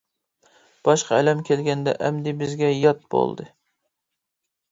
باشقا ئەلەم كەلگەندە، ئەمدى بىزگە يات بولدى.